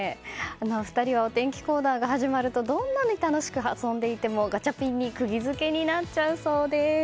２人はお天気コーナーが始まるとどんなに楽しく遊んでいてもガチャピンに釘付けになっちゃうそうです。